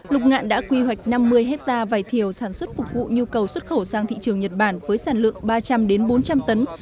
lục ngạn đã quy hoạch năm mươi hectare vải thiều sản xuất phục vụ nhu cầu xuất khẩu sang thị trường nhật bản với sản lượng ba trăm linh bốn trăm linh tấn